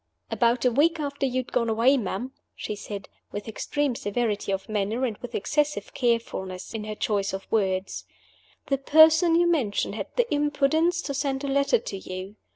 "About a week after you had gone away ma'am," she said, with extreme severity of manner, and with excessive carefulness in her choice of words, "the Person you mention had the impudence to send a letter to you.